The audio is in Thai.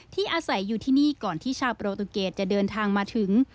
อาศัยอยู่ที่นี่ก่อนที่ชาวโปรตุเกตจะเดินทางมาถึง